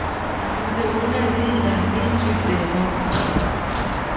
Achize unalinga hi chipemako.